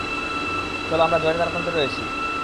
চলো, আমরা জয়ের দ্বারপ্রান্তে রয়েছি!